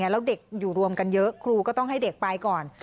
แล้วเด็กอยู่รวมกันเยอะครูก็ต้องให้เด็กไปก่อน